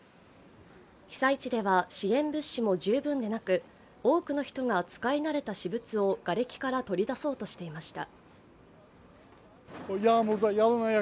被災地では支援物資も十分でなく多くの人が使い慣れた私物をがれきから取り出そうとしていました。